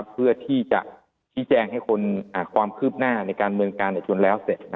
เพื่อที่จะชี้แจงให้คนความคืบหน้าในการเมืองการจนแล้วเสร็จ